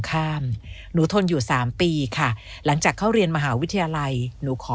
หนูทนอยู่สามปีค่ะหลังจากเข้าเรียนมหาวิทยาลัยหนูขอ